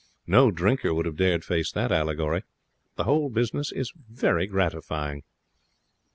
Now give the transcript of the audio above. No drinker would have dared face that allegory. The whole business is very gratifying.'